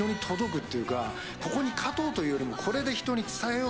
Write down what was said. ここに勝とう！というよりも。